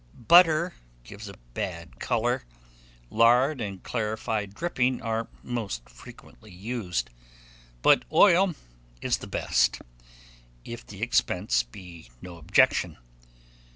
Butter gives a bad colour; lard and clarified dripping are most frequently used; but oil is the best, if the expense be no objection.